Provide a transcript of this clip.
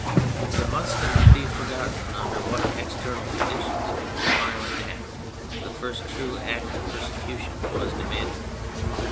It must not be forgotten under what external conditions this violent act, the first true act of persecution, was demanded.